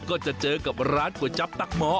ก็จะเจอกับร้านก๋วยจับตักหมอ